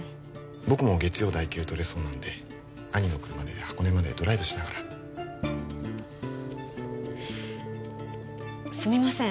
僕も月曜代休取れそうなんで兄の車で箱根までドライブしながらすみません